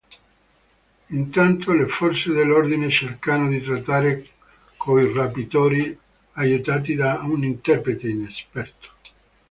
Intanto, le forze dell'ordine cercano di trattare coi rapitori, aiutati da un interprete inesperto.